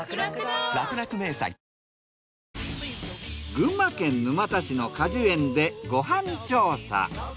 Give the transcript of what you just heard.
群馬県沼田市の果樹園でご飯調査。